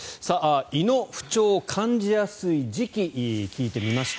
胃の不調を感じやすい時期を聞いてみました。